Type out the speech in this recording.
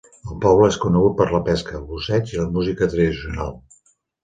El poble és conegut per la pesca, el busseig i la música tradicional.